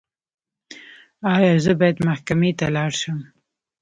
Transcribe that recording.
ایا زه باید محکمې ته لاړ شم؟